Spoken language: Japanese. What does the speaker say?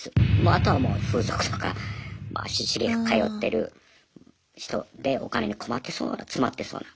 あとはもう風俗とかまあ足しげく通ってる人でお金に困ってそうな詰まってそうな。